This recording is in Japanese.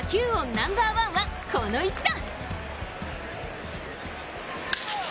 ナンバーワンはこの一打！